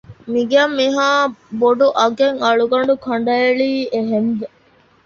މިގެއަށް މިހާބޮޑު އަގެއް އަޅުގަނޑު ކަނޑައެޅީ އެހެންވެ